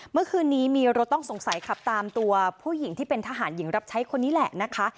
เมื่อคืนนี้มีรถต้องสงสัยขับตามตัวผู้หญิงที่เป็นทหารหญิงรับใช้คนนี้แหละนะคะ